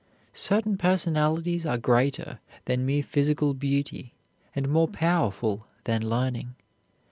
Certain personalities are greater than mere physical beauty and more powerful than learning.